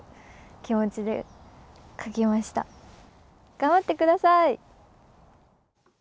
頑張ってください！